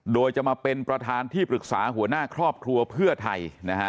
โดยจะมาเป็นประธานที่ปรึกษาหัวหน้าครอบครัวเพื่อไทยนะฮะ